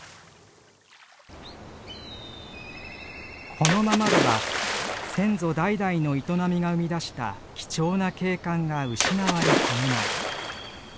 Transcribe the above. このままでは先祖代々の営みが生み出した貴重な景観が失われかねない。